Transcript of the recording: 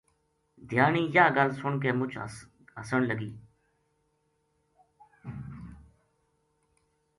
دھیانی یاہ گل سُن کے مُچ ہسن لگی